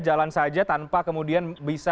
jalan saja tanpa kemudian bisa